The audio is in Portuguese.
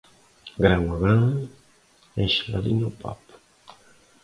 Grão a grão, enche a galinha o papo.